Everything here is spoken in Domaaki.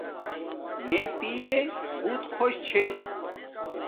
میں پیݵ بوت خوش چھے